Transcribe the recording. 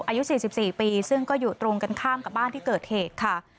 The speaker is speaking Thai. อายุ๔๔ปีซึ่งก็อยู่ตรงกันข้ามกับบ้านที่เกิดเหตุค่ะ